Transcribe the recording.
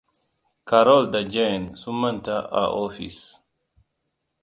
Carol da Jane sun manta a ofis.